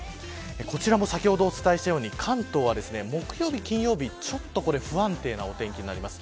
こちらも先ほどお伝えしたように関東は木曜日、金曜日不安定なお天気になります。